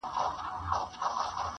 پلټنه د کور دننه پيل کيږي,